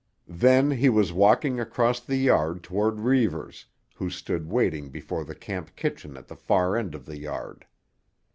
Then he was walking across the yard toward Reivers, who stood waiting before the camp kitchen at the far end of the yard.